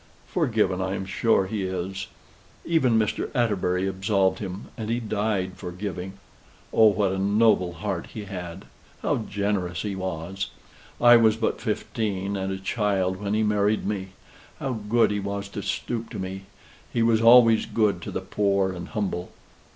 Forgiven I am sure he is: even Mr. Atterbury absolved him, and he died forgiving. Oh, what a noble heart he had! How generous he was! I was but fifteen and a child when he married me. How good he was to stoop to me! He was always good to the poor and humble."